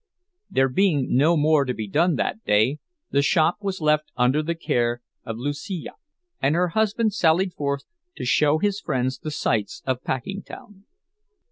There being no more to be done that day, the shop was left under the care of Lucija, and her husband sallied forth to show his friends the sights of Packingtown.